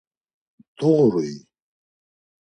Doğurui?